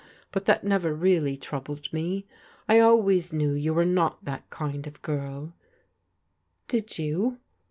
But that never really troubled me. I always knew you were not that kind of " Did ^ ou?